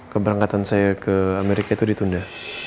keberangkatan saya ke amerika itu ditunda